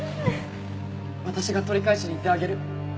私が取り返しに行ってあげる。